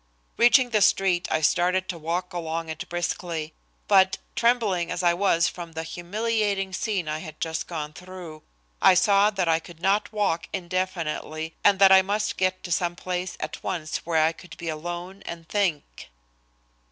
Reaching the street, I started to walk along it briskly. But, trembling as I was from the humiliating scene I had just gone through, I saw that I could not walk indefinitely, and that I must get to some place at once where I could be alone and think.